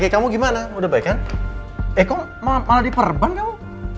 eh kok malah diperban kamu